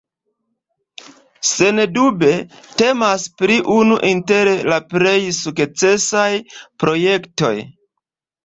Sendube temas pri unu inter la plej sukcesaj projektoj.